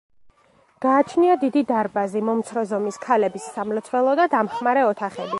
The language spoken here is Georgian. გააჩნია დიდი დარბაზი, მომცრო ზომის ქალების სამლოცველო და დამხმარე ოთახები.